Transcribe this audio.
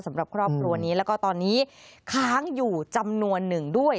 สำหรับครอบครัวนี้แล้วก็ตอนนี้ค้างอยู่จำนวนหนึ่งด้วย